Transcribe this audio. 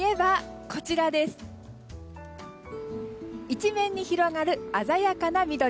一面に広がる鮮やかな緑。